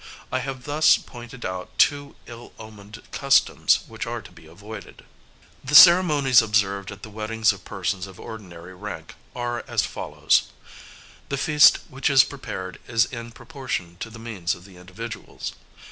I have thus pointed out two ill omened customs which are to be avoided. The ceremonies observed at the weddings of persons of ordinary rank are as follows: The feast which is prepared is in proportion to the means of the individuals.